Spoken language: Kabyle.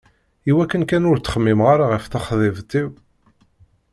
Iwakken kan ur ttxemmimeɣ ara ɣef texḍibt-iw.